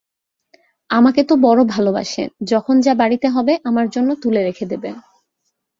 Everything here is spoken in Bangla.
-আমাকে তো বড় ভালোবাসে-যখন যা বাড়িতে হবে, আমার জন্যে তুলে রেখে দেবে।